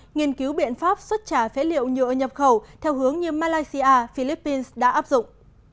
nghiên cứu biện pháp xuất trà phế liệu nhựa nhập khẩu theo hướng như malaysia philippines đã áp dụng